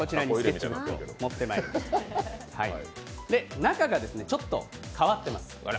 中がちょっと変わってます。